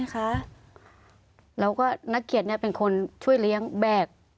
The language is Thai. แล้วก็นักเกียรติเป็นคนช่วยเลี้ยงแบก